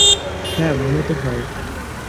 হ্যাঁ, মনে তো হয়।